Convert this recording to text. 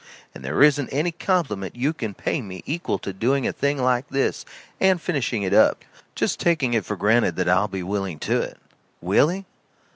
And there isn't any compliment you can pay me equal to doing a thing like this and finishing it up, just taking it for granted that I'll be willing to it. Willing?